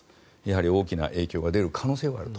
大きな影響が出る可能性はあると。